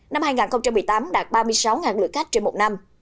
năm hai nghìn một mươi tám đạt ba mươi sáu lượt khách trên một năm